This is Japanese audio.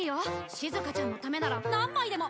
しずかちゃんのためなら何枚でも！